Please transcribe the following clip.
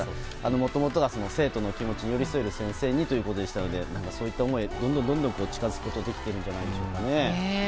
もともとが生徒の気持ちに寄り添える先生にということでしたのでそういった思いにどんどん近づくことができているんじゃないでしょうか。